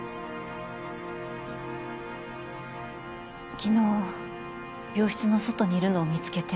昨日病室の外にいるのを見つけて。